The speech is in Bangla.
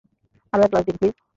আরও এক-গ্লাস দিন, প্লিজ।